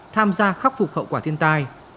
tham gia khắc phục hậu quả thiên tai